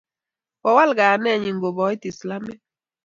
kowal kayanenyin koboit Islamik.